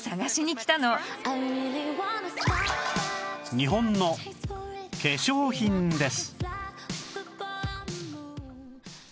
日本の化粧品です